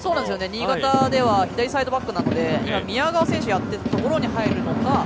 新潟では左サイドバックなので宮澤選手がやっていたところに入るのか。